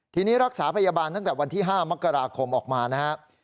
ทีนี้รักษาพยาบาลตั้งแต่วันที่๕มกราคมออกมานะครับ